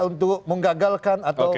untuk menggagalkan atau